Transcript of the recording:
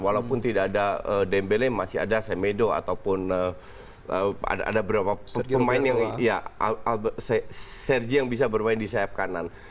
walaupun tidak ada dembele masih ada semedo ataupun ada beberapa pemain yang sergi yang bisa bermain di sayap kanan